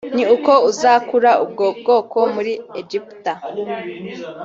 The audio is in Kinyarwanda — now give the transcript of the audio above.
ni uko uzakura ubwo bwoko muri Egiputa